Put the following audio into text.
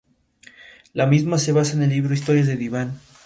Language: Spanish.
La misma se basa en el libro "Historias de diván.